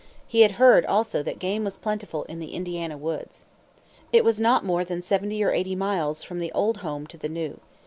He had heard also that game was plentiful in the Indiana woods. It was not more than seventy or eighty miles from the old home to the new.